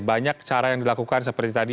banyak cara yang dilakukan seperti tadi